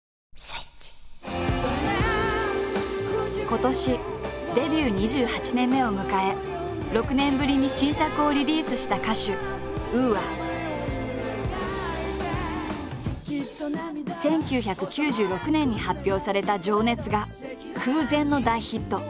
今年デビュー２８年目を迎え６年ぶりに新作をリリースした１９９６年に発表された「情熱」が空前の大ヒット。